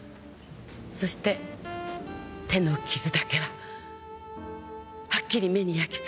そして手の傷だけははっきり目に焼きついていたわ。